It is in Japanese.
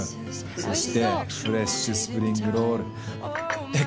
そしてフレッシュスプリングロール。